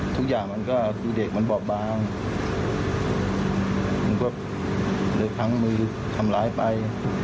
ทุกอย่างเขาดูเด็กที่บอกบางเหลือทั้งมือก็ทำร้ายไป